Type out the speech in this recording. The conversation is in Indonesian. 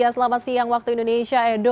selamat siang waktu indonesia edo